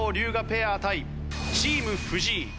ペア対チーム藤井猪狩